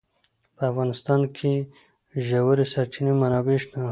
په افغانستان کې د ژورې سرچینې منابع شته.